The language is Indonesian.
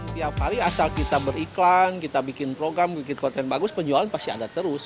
tiap hari asal kita beriklan kita bikin program bikin konten bagus penjualan pasti ada terus